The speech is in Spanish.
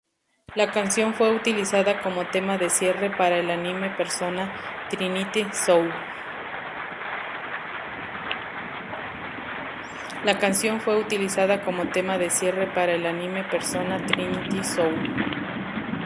La canción fue utilizada como tema de cierre para el anime "Persona: Trinity Soul".